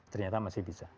ternyata masih bisa